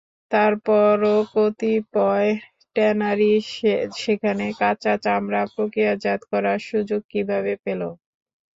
তারপরও কতিপয় ট্যানারি সেখানে কাঁচা চামড়া প্রক্রিয়াজাত করার সুযোগ কীভাবে পেল?